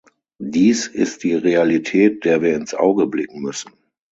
Dies ist die Realität, der wir ins Auge blicken müssen.